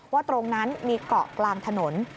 ว่าตรงนั้นมีเกาะกลางถนน